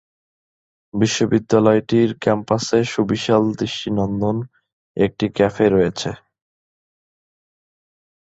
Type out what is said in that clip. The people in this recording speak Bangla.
বিশ্ববিদ্যালয়টির ক্যাম্পাসে সুবিশাল দৃষ্টিনন্দন একটি ক্যাফেটেরিয়া রয়েছে।